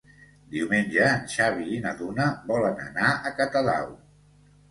Diumenge en Xavi i na Duna volen anar a Catadau.